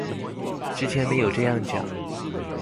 之前沒有這樣講